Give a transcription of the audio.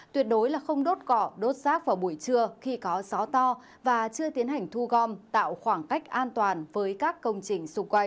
tuyệt đối là không đốt cỏ đốt rác vào buổi trưa khi có gió to và chưa tiến hành thu gom tạo khoảng cách an toàn với các công trình xung quanh